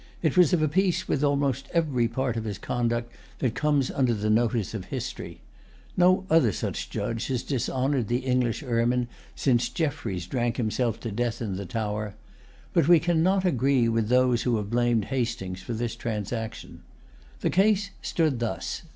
It was of a piece with almost every part of his conduct that comes under the notice of history. No other such judge has dishonored the English ermine, since Jeffreys drank himself to death in the Tower. But we cannot agree with those who have blamed Hastings for this transaction. The case stood thus.